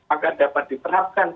akan dapat diterapkan